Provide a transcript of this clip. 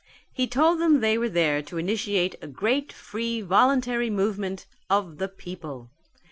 He told them they were there to initiate a great free voluntary movement of the people.